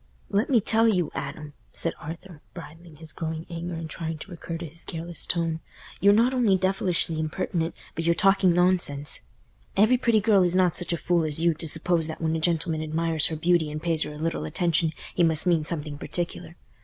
"Let me tell you, Adam," said Arthur, bridling his growing anger and trying to recur to his careless tone, "you're not only devilishly impertinent, but you're talking nonsense. Every pretty girl is not such a fool as you, to suppose that when a gentleman admires her beauty and pays her a little attention, he must mean something particular.